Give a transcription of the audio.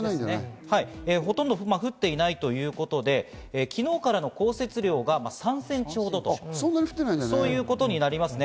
ほとんど降っていないということで、昨日からの降雪量が３センチほどとなりますね。